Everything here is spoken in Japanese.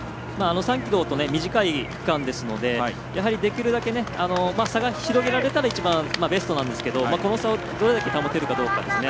３ｋｍと短い区間ですのでできるだけ差が広げられたら一番ベストなんですけどこの差をどれだけ保てるかどうかですね。